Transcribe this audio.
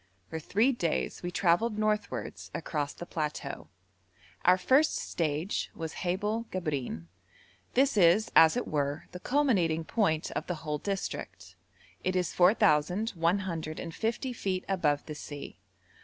For three days we travelled northwards across the plateau. Our first stage was Haibel Gabrein. This is, as it were, the culminating point of the whole district; it is 4,150 feet above the sea.